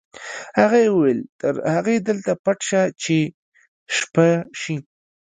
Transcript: هغې وویل تر هغې دلته پټ شه چې شپه شي